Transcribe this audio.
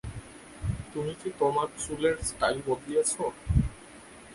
তুমি কি তোমার চুলের স্টাইল বদলিয়েছো?